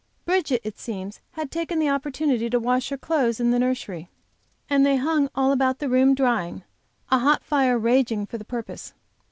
Bridget, it seems, had taken the opportunity to wash her clothes in the nursery, and they hung all about the room drying, a hot fire raging for the purpose.